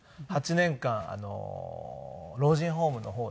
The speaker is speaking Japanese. ８年間老人ホームの方で。